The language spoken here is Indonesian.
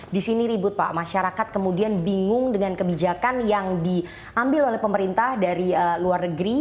disini ribut pak masyarakat kemudian bingung dengan kebijakan yang diambil oleh pemerintah dari luar negeri